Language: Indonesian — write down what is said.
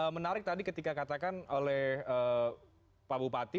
menarik tadi ketika katakan oleh pak bupati